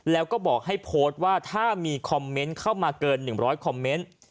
แล้วก็บอกให้โพสต์ว่าถ้ามีคอมเมนต์เข้ามาเกิน๑๐๐คอมเมนต์